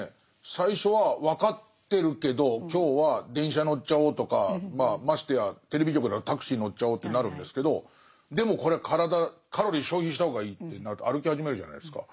最初は分かってるけど今日は電車乗っちゃおうとかましてやテレビ局だとタクシー乗っちゃおうってなるんですけどでもこれは体カロリー消費した方がいいってなると歩き始めるじゃないですか。